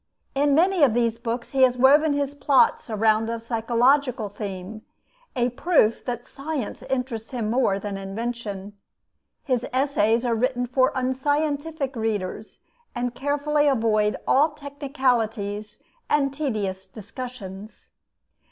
In many of these books he has woven his plots around a psychological theme; a proof that science interests him more than invention. His essays are written for unscientific readers, and carefully avoid all technicalities and tedious discussions.